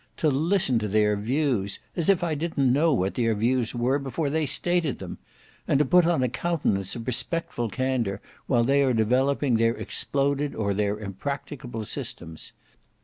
To listen to their views! As if I did not know what their views were before they stated them! And to put on a countenance of respectful candour while they are developing their exploded or their impracticable systems.